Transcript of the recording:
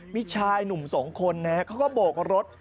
มีชายหนุ่มสองคนนะเขาก็โบกรถ